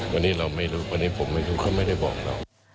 วันนี้เราไม่รู้วันนี้ผมไม่รู้เขาไม่ได้บอกเรา